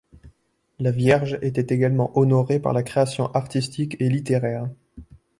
La Vierge était également honorée par la création artistique et littéraire.